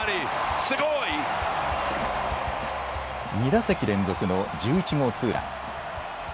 ２打席連続の１１号ツーラン。